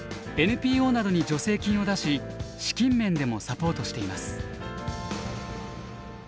ＮＰＯなどに助成金を出し資金面でもサポートしています。